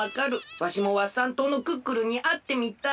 わしもワッサン島のクックルンにあってみたい。